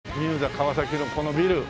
川崎のこのビル。